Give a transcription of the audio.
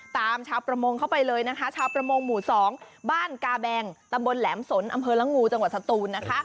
ชาวประมงเข้าไปเลยนะคะชาวประมงหมู่๒บ้านกาแบงตำบลแหลมสนอำเภอละงูจังหวัดสตูนนะคะ